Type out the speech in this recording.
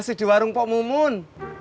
masih di warung pok mumun